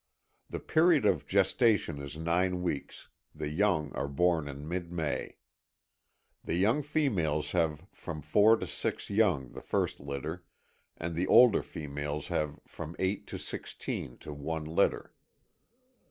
The period of gestation is nine weeks; the young are born in mid May. The young females have from four to six young the first litter and the older females have from eight to sixteen to one litter.